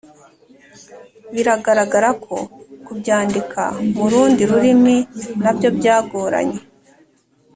Biragaragara ko kubyandika mu rundi rurimi na byo byagoranye